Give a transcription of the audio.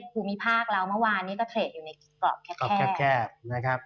คุณผู้มีภาคเราเมื่อวานก็เทรดอยู่ในกรอบแคบ